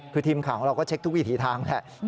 คือทีมข่าวของเราก็เช็คทุกวิถีทางแหละ